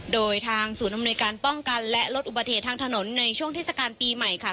โดยทางศูนย์อำนวยการป้องกันและลดอุบัติเหตุทางถนนในช่วงเทศกาลปีใหม่ค่ะ